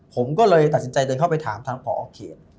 ผมก็เลยตัดสินใจเดินเข้าไปถามทางผอเขต